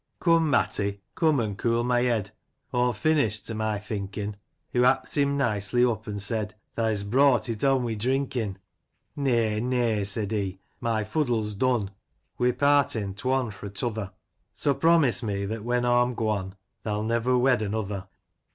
« Come, Matty, come, an* c6ol my yed, Aw*m finished, to my thinkin' ;" Hoo happed him nicely up, an' said, "Thae*s brought it on wi' drinkin* !"" Nay, nay," said he, " My fuddle's done ; We're partin' t'one fro t'other ; So, promise me that when aw'm gwon Thae *11 never wed another